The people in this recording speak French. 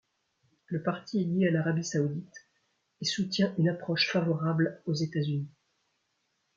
Le parti est lié à l’Arabie saoudite et soutient une approche favorable aux États-Unis.